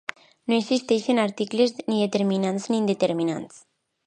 No existeixen articles, ni determinats ni indeterminats.